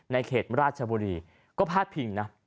ในเขตราชบุรี